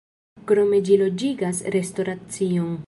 Krome ĝi loĝigas restoracion.